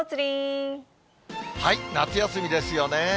夏休みですよね。